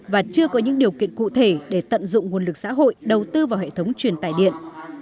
và chưa có những điều kiện cụ thể để tận dụng nguồn lực xã hội đầu tư vào hệ thống truyền tải điện